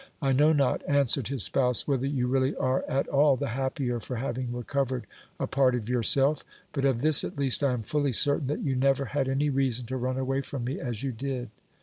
I know not, answered his spouse, whether you really are at all the happier for having recovered a part of yourself : but of this at least I am fully certain, that you never had any reason to run away from me as you did.